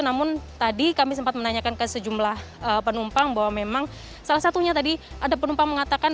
namun tadi kami sempat menanyakan ke sejumlah penumpang bahwa memang salah satunya tadi ada penumpang mengatakan